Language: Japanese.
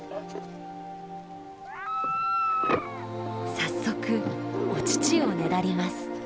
早速お乳をねだります。